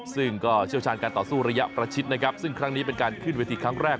ซึ่งก็เชี่ยวชาญการต่อสู้ระยะประชิดนะครับซึ่งครั้งนี้เป็นการขึ้นเวทีครั้งแรก